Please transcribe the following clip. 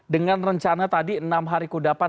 dengan rencana tadi enam hari kudapan